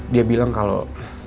dia bilang kalau